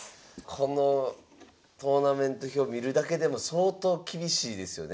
このトーナメント表見るだけでも相当厳しいですよね。